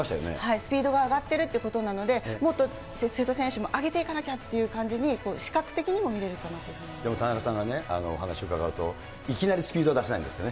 スピードが上がっているということなので、もっと瀬戸選手も上げていかなきゃって感じに視覚的にも見れるかでも田中さん、お話し伺うといきなりスピードは出せないんですってね。